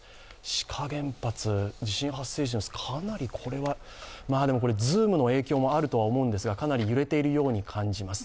志賀原発、地震発生時、ズームの影響もあるとは思うんですがかなり揺れているように見えます。